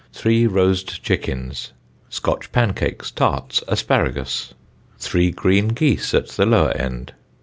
Three rosed chickens. Scotch pancakes, tarts, asparagus. Three green gees at the lower end.